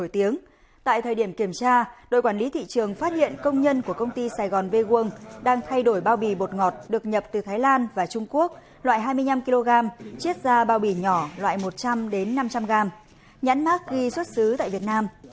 trong thời điểm kiểm tra đội quản lý thị trường phát hiện công nhân của công ty sài gòn vegue đang thay đổi bao bì bột ngọt được nhập từ thái lan và trung quốc loại hai mươi năm kg chiết ra bao bì nhỏ loại một trăm linh năm trăm linh gram nhãn mát ghi xuất xứ tại việt nam